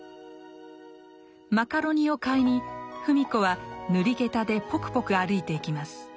マカロニを買いに芙美子は塗り下駄でポクポク歩いていきます。